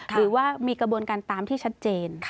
หรือว่ามีกระบวนการตามที่ชัดเจน